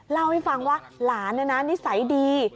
เล่าให้ฟังว่าหลานนิสัยดี